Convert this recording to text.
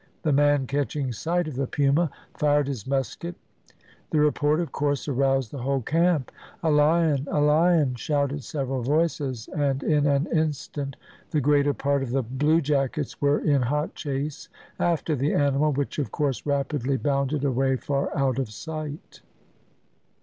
The man, catching sight of the puma, fired his musket; the report, of course, aroused the whole camp. "A lion! a lion!" shouted several voices, and in an instant the greater part of the bluejackets were in hot chase after the animal, which, of course, rapidly bounded away far out of sight.